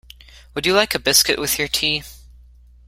Would you like a biscuit with your tea?